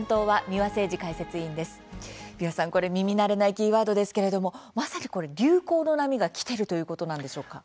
三輪さん、これ耳慣れないキーワードですけれどもまさにこれ流行の波がきているということなんでしょうか。